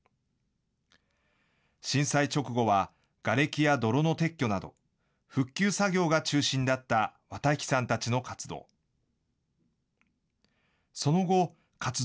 震災直後はがれきや泥の撤去など、復旧作業が中心だった綿引さんたちの活動。